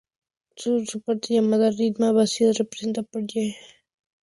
Por su parte, la llamada "rima vacía" se representa por "y".